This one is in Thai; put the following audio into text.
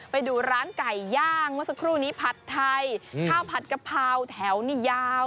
ไปดูร้านไก่ย่างเมื่อสักครู่นี้ผัดไทยข้าวผัดกะเพราแถวนี่ยาว